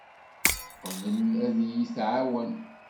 Teqbel ad iyi-tɛawen.